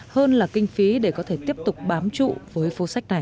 hơn là kinh phí để có thể tiếp tục bám trụ với phố sách này